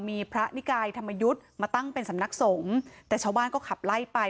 มีพระนิกายธรรมยุทธ์มาตั้งเป็นสำนักสงฆ์แต่ชาวบ้านก็ขับไล่ไป